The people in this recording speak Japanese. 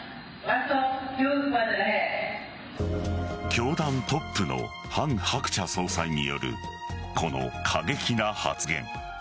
教団トップのハン・ハクチャ総裁によるこの過激な発言。